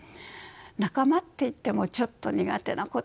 仲間っていってもちょっと苦手なことはあります。